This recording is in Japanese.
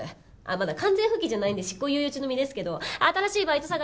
まだ完全復帰じゃないんで執行猶予中の身ですけど新しいバイト探しとかで忙しいんですよ！